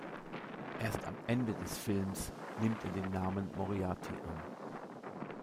Erst am Ende des Films nimmt er den Namen Moriarty an.